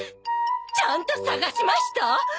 ちゃんと捜しました？